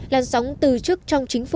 làn sóng từ chức trong chính phủ